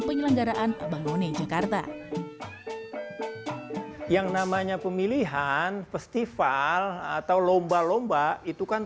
penyelenggaraan abangone jakarta yang namanya pemilihan festival atau lomba lomba itu kan